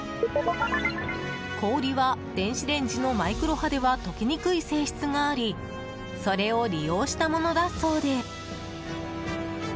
氷は電子レンジのマイクロ波では溶けにくい性質がありそれを利用したものだそうで。